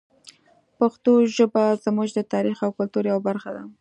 پښتو ژبه زموږ د تاریخ او کلتور یوه برخه ده.